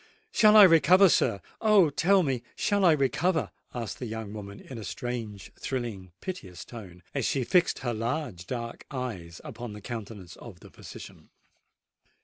"Shall I recover, sir! Oh! tell me—shall I recover?" asked the young woman in a strange, thrilling, piteous tone, as she fixed her large dark eyes upon the countenance of the physician.